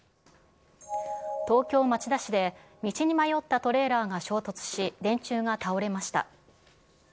東京・町田市で、道に迷ったトレーラーが衝突し、電柱が倒れました。